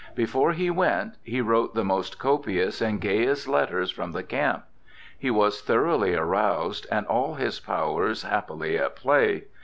Before he went, he wrote the most copious and gayest letters from the camp. He was thoroughly aroused, and all his powers happily at play.